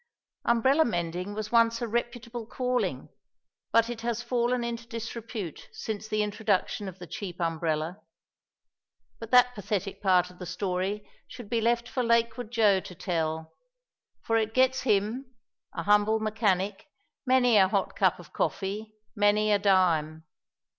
Umbrella mending was once a reputable calling, but it has fallen into disrepute since the introduction of the cheap umbrella. But that pathetic part of the story should be left for Lakewood Joe to tell, for it gets him a humble mechanic many a hot cup of coffee, many a dime.